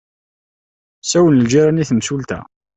Sawlen lǧiran i temsulta.